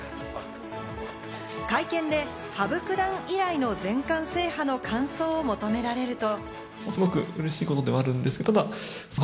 会見で羽生九段以来の全冠制覇の感想を求められると。